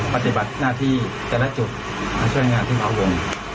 ปฏิบัติหน้าที่แต่ละจุดมาช่วยงานที่เขาวง